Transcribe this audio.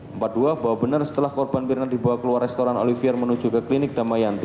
empat dua bahwa benar setelah korban mirna dibawa keluar restoran olivier menuju ke klinik damayanti